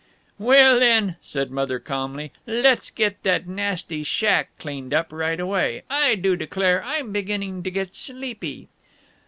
"Well, then," said Mother, calmly, "let's get that nasty shack cleaned up right away. I do declare I'm beginning to get sleepy."